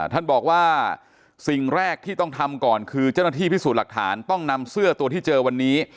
ท่านบอกว่าสิ่งแรกที่ต้องทำก่อนคือเจ้าหน้าที่พิสูจน์หลักฐานต้องนำเสื้อตัวที่เจอวันนี้